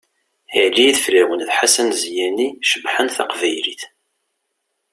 Ɛli Ideflawen d Ḥsen Ziyani cebbḥen taqbaylit!